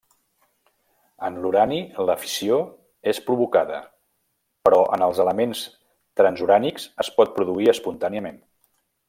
En l'urani, la fissió és provocada, però en els elements transurànics es pot produir espontàniament.